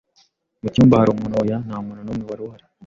"Mu cyumba hari umuntu?" "Oya, nta muntu n'umwe wari uhari."